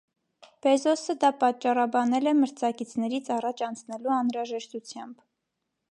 Բեզոսը դա պատճառաբանել է մրցակիցներից առաջ անցնելու անհրաժեշտությամբ։